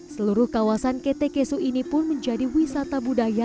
seluruh kawasan ketekesu ini pun menjadi wisata budaya